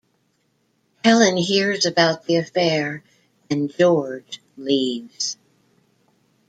Helen hears about the affair and George leaves.